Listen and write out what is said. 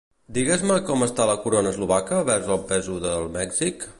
Digues-me com està la corona eslovaca vers el peso de Mèxic?